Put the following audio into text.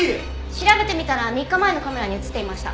調べてみたら３日前のカメラに映っていました。